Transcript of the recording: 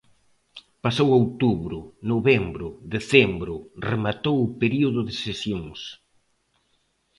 Pasou outubro, novembro, decembro, rematou o período de sesións.